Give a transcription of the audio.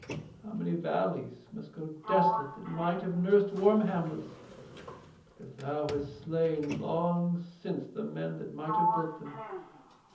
How many valleys must go desolate that might have nursed warm hamlets, because thou hast slain long since the men that might have built them?